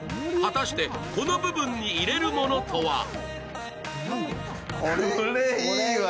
果たして、この部分に入れるものとは？